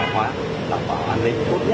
đảm bảo an ninh tốt nhất